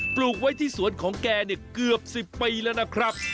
ปลูกไว้ที่สวนของแกเนี่ยเกือบ๑๐ปีแล้วนะครับ